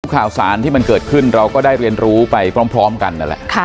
ข่าวสารที่มันเกิดขึ้นเราก็ได้เรียนรู้ไปพร้อมกันนั่นแหละ